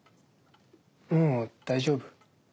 もう大丈夫？